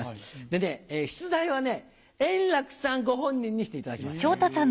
でね、出題は円楽さんご本人にしていただきます。